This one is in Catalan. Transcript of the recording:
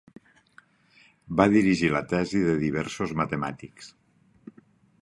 Va dirigir la tesi de diversos matemàtics.